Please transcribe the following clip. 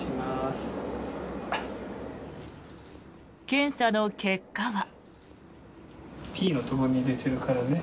検査の結果は。